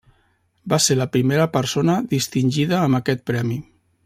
Va ser la primera persona distingida amb aquest premi.